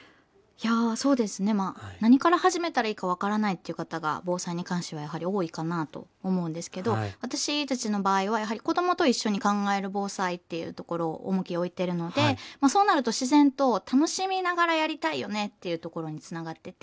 いやそうですね何から始めたらいいか分からないっていう方が防災に関してはやはり多いかなと思うんですけど私たちの場合はやはり子どもと一緒に考える防災っていうところを重きを置いてるのでそうなると自然と楽しみながらやりたいよねっていうところにつながってて。